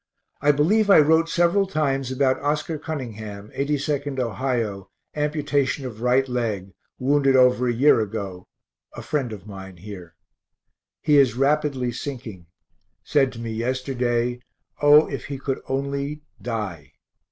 I believe I wrote several times about Oscar Cunningham, 82nd Ohio, amputation of right leg, wounded over a year ago, a friend of mine here. He is rapidly sinking; said to me yesterday, O, if he could only die.